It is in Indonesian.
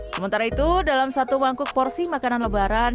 sementara itu dalam satu mangkuk porsi makanan lebaran